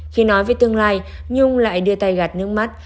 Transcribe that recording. khi nói với tương lai nhung lại đưa tay gạt nước mắt